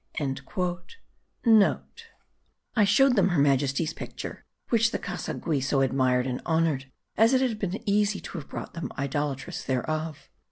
"*(* "I showed them her Majesty's picture, which the Casigui so admired and honoured, as it had been easy to have brought them idolatrous thereof.